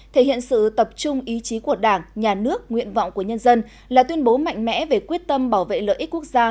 thể hiện sự tập trung ý chí của đảng nhà nước nguyện vọng của nhân dân là tuyên bố mạnh mẽ về quyết tâm bảo vệ lợi ích quốc gia